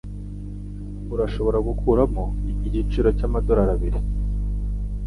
Urashobora gukuramo igiciro cyamadorari abiri?